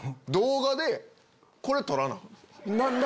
動画でこれ撮らな！